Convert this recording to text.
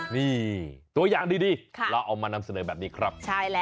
นี่ตัวอย่างดีเราเอามานำเสนอแบบนี้ครับ